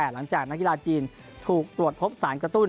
หลังจากนักกีฬาจีนถูกตรวจพบสารกระตุ้น